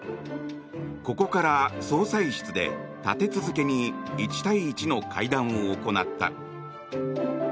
ここから総裁室で、立て続けに１対１の会談を行った。